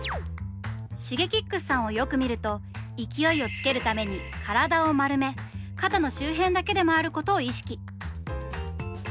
Ｓｈｉｇｅｋｉｘさんをよく見ると勢いをつけるために体を丸め肩の周辺だけで回ることを意識。